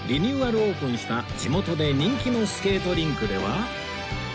オープンした地元で人気のスケートリンクでは